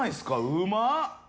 うまっ！